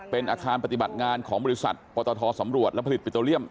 เป็นอาคารปฏิบัติงานของบริษัทปตทสำรวจและผลิตปิโตเรียม